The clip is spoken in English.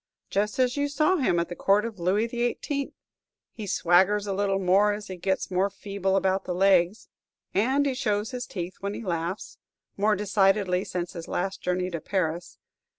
"Just as you saw him at the Court of Louis XVIII.; he swaggers a little more as he gets more feeble about the legs, and he shows his teeth when he laughs, more decidedly since his last journey to Paris.